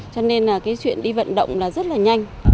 cho nên là cái chuyện đi vận động là rất là nhanh